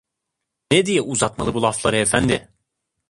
Ne diye uzatmalı bu lafları, efendi!